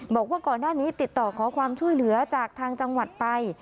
บอกว่าก่อนหน้านี้ติดต่อขอความช่วยเหลือจากทางจังหวัดไป